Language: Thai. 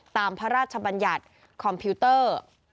พระราชบัญญัติคอมพิวเตอร์